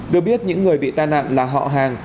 được biết những người bị tai nạn là họ hàng